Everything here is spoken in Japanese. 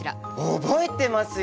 覚えてますよ！